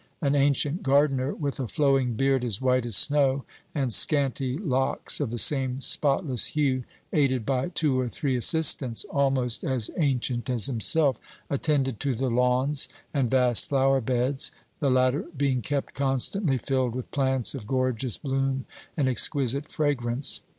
An ancient gardener, with a flowing beard as white as snow and scanty locks of the same spotless hue, aided by two or three assistants almost as ancient as himself, attended to the lawns and vast flower beds, the latter being kept constantly filled with plants of gorgeous bloom and exquisite fragrance.